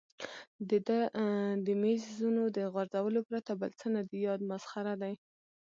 د ده د مېزونو د غورځولو پرته بل څه نه دي یاد، مسخره دی.